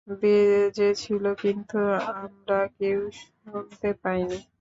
বেজেছিল, কিন্তু আমরা কেউ শুনতে পাইনি।